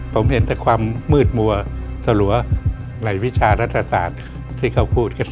ผมเห็นแต่ความมืดมัวสลัวในวิชารัฐศาสตร์ที่เขาพูดกัน